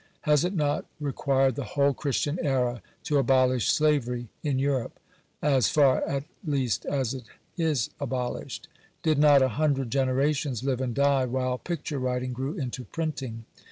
Has it not required the whole Christian era to abolish slavery in Europe ? as far at least as it is abolished. Did not a hundred generations live and die while picture writing grew into printing?